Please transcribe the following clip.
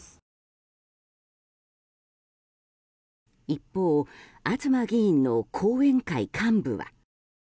一方東議員の後援会幹部は。